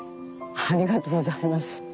ありがとうございます。